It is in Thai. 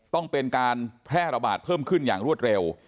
ต้องเป็นการแพร่ระบาดเพิ่มขึ้นอย่างรวดเร็ว